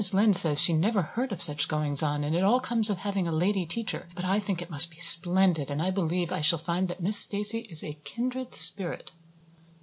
Lynde says she never heard of such goings on and it all comes of having a lady teacher. But I think it must be splendid and I believe I shall find that Miss Stacy is a kindred spirit."